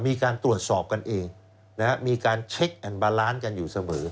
มีการตรวจสอบกันเองมีการเช็คแอนบาลานซ์กันอยู่เสมอ